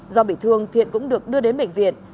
do bị thương thiện cũng được đưa đến bệnh viện